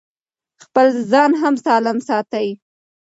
خپل ځان هم سالم ساتي.